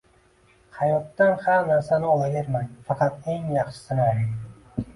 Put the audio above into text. Hayotdan har narsani olavermang, faqat eng yaxshisini oling!